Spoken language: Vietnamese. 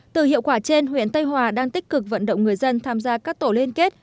từ hiệu quả trên huyện tây hòa đang tích cực vận động người dân tham gia các tổ liên kết